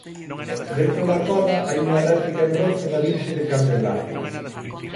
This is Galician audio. Dentro da cova hai unha réplica en bronce da Virxe de Candelaria.